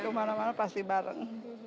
kemana mana pasti bareng